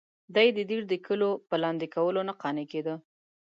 دی د دیر د کلیو په لاندې کولو نه قانع کېده.